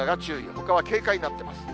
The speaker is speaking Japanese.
ほかは警戒になっています。